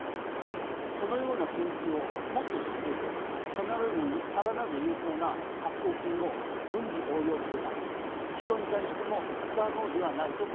このような研究をもっと進めて更なる有効な発酵菌を分離応用すれば人に対しても不可能ではないと考えています。